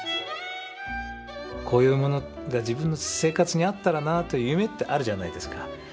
こういうものが自分の生活にあったらなという夢ってあるじゃないですか。